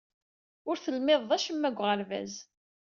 Ur telmideḍ acemma deg uɣerbaz.